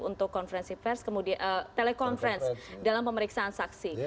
untuk telekonferensi dalam pemeriksaan saksi